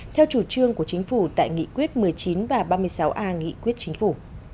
theo chủ trương của chính phủ tại nghị quyết một mươi chín và ba mươi sáu a nghị quyết chính phủ